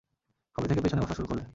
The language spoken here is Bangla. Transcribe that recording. কবে থেকে পিছনে বসা শুরু করলে?